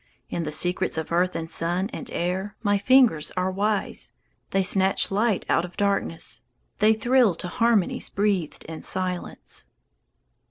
In the secrets of earth and sun and air My fingers are wise; They snatch light out of darkness, They thrill to harmonies breathed in silence.